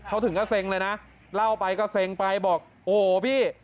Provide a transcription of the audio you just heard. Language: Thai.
เขาถึงก็เซ็งเลยนะเล่าไปก็เซ็งไปบอกโอ้โหพี่